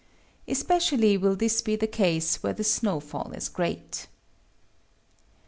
Especially will this be the case where the snowfall is great.